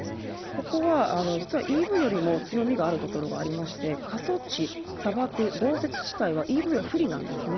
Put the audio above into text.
ここは実はＥＶよりも強みがあるところがありまして、過疎地、砂漠、豪雪地帯はＥＶは不利なんですね。